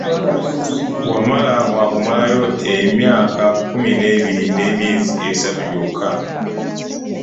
Wamala wa kumalayo emyaka kkumi n'ebiri n'emyezi esatu gyokka